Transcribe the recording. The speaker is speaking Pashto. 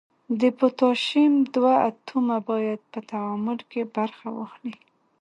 د پوتاشیم دوه اتومه باید په تعامل کې برخه واخلي.